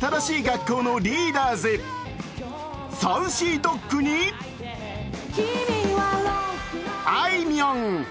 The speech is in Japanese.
新しい学校のリーダーズ、ＳａｕｃｙＤｏｇにあいみょん。